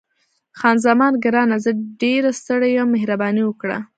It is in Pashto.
خان زمان: ګرانه، زه ډېره ستړې یم، مهرباني وکړه.